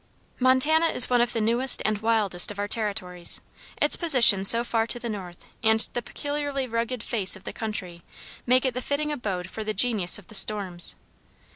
Montana is one of the newest and wildest of our territories. Its position so far to the north and the peculiarly rugged face of the country, make it the fitting abode for the genius of the storms.